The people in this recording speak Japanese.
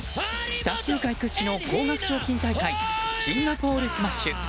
卓球界屈指の高額賞金大会シンガポールスマッシュ。